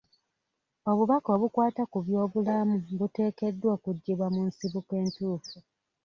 Obubaka obukwata ku byobulamu buteekeddwa kuggyibwa mu nsibuko entuufu.